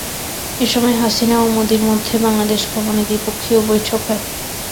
এ সময় হাসিনা ও মোদির মধ্যে বাংলাদেশ ভবনে দ্বিপক্ষীয় বৈঠক হয়।